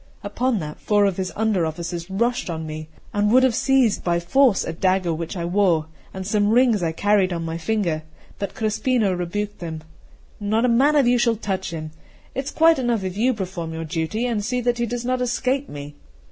Upon that four of his under officers rushed on me, and would have seized by force a dagger which I wore, and some rings I carried on my finger; but Crespino rebuked them: "Not a man of you shall touch him: it is quite enough if you perform your duty, and see that he does not escape me."